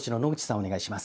お願いします。